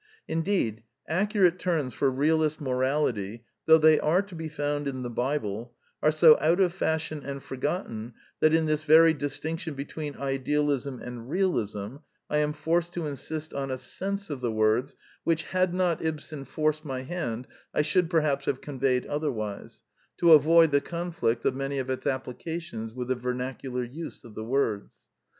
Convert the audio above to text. In deed, accurate terms for realist morality, though they are to be found in the Bible, are so out of fashion and forgotten that in this very distinction between idealism and realism, I am forced to in sist on a sense of the words which, had not Ibsen The Lesson of the Plays 185 forced my hand, I should perhaps have conveyed otherwise, to avoid the conflict of many of its applications with the vernacular use of the words.